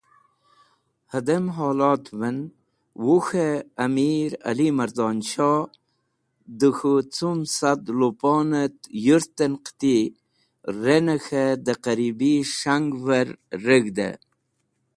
Hadem Holotven, Wuk̃he Amir Ali Mardon Shoh de k̃hu cum Sad luponet yurten qiti rene k̃he de qaribi S̃hangver reg̃hde.